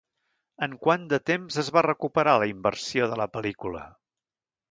En quant de temps es va recuperar la inversió de la pel·lícula?